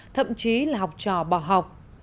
thậm chí là học trò bỏ học